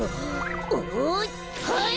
おっはい！